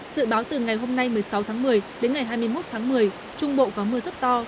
dự báo từ ngày hôm nay một mươi sáu tháng một mươi đến ngày hai mươi một tháng một mươi trung bộ có mưa rất to